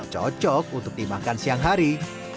cocok untuk dimakan siang hari